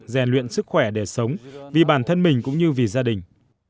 rèn luyện sức khỏe để sống vì bản thân mình cũng như vì gia đình